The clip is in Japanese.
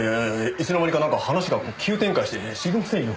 いつの間にかなんか話が急展開して知りませんよ。